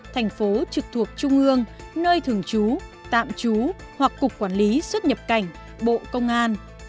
thành phố trực thuộc trung ương nơi thường trú tạm trú hoặc cục quản lý xuất nhập cảnh bộ công an